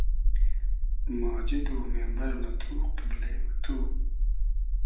ماجید و مېمبئر مہ تو , قیبلې مہ تو